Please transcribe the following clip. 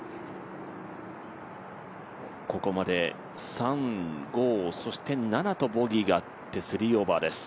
ここまで３、５、そして７とボギーがあって３オーバーです。